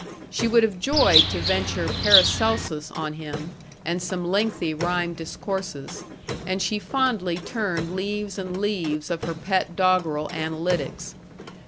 She would have joyed to venture "Paracelsus" on him, and some lengthy rhymed discourses; and she fondly turned leaves and leaves of her pet doggerel analytics.